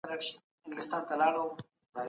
خپل شته وسایل په کار واچوئ.